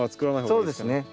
そうですね。